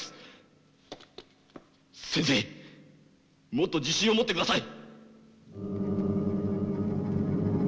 もっと自信を持ってください！